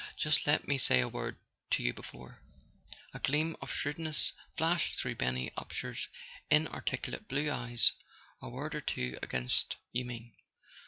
Just let me say a word to you before " A gleam of shrewdness flashed through Benny Up sher's inarticulate blue eyes. "A word or two against , you mean?